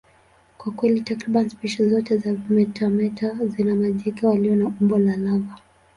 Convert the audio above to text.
Kwa kweli, takriban spishi zote za vimetameta zina majike walio na umbo la lava.